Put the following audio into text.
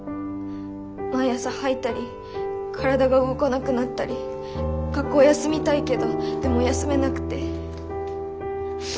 毎朝吐いたり体が動かなくなったり学校休みたいけどでも休めなくて。